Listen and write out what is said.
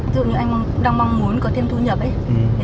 dù như anh đang mong muốn có thêm thu nhập ấy